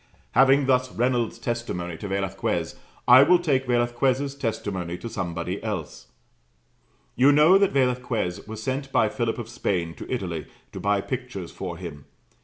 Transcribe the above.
Having thus Reynolds' testimony to Velasquez, I will take Velasquez' testimony to somebody else. You know that Velasquez was sent by Philip of Spain to Italy, to buy pictures for him.